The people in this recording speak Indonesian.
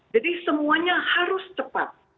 jadi semuanya harus cepat